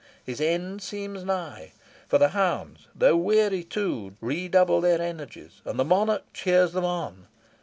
His end seems nigh for the hounds, though weary too, redouble their energies, and the monarch cheers them on.